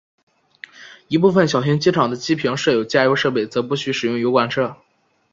一部份小型机场的机坪设有加油设备则不需使用油罐车。